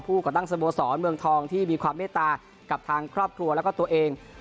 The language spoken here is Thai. ก่อตั้งสโมสรเมืองทองที่มีความเมตตากับทางครอบครัวแล้วก็ตัวเอง